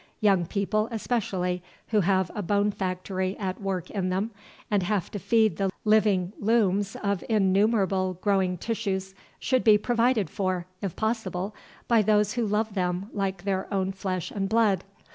Young people, especially, who have a bone factory at work in them, and have to feed the living looms of innumerable growing tissues, should be provided for, if possible, by those who love them like their own flesh and blood.